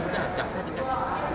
sudah jaksa dikasih saya